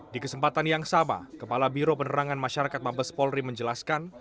di kesempatan yang sama kepala biro penerangan masyarakat mabes polri menjelaskan